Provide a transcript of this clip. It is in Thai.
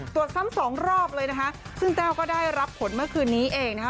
ตรวจซ้ำสองรอบเลยนะคะซึ่งแต้วก็ได้รับผลเมื่อคืนนี้เองนะคะ